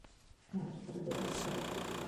হ্যাঁ, আমার চোখে প্রচুর পেপার স্প্রেও আছে।